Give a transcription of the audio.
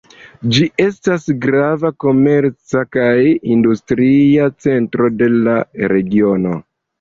Ĝi estas grava komerca kaj industria centro de la regiono.